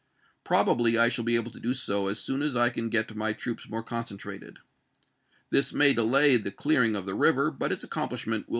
Prob plrra^J ably I shall be able to do so as soon as I can get my "^^Ifeporf ^' troops more concentrated. This may delay the seCTe?a% clearing of the river, but its accomplishment will Navy!